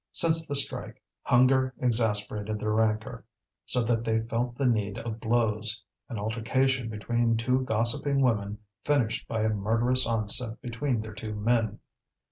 Since the strike hunger exasperated their rancour, so that they felt the need of blows; an altercation between two gossiping women finished by a murderous onset between their two men.